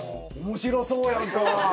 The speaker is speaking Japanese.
面白そうやんか！